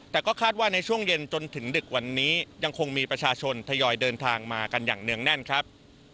แต่ก็คาดว่าในช่วงเย็นจนถึงดึกวันนี้ยังคงมีประชาชนทยอยเดินทางมากันอย่างเนื่องแน่นครับ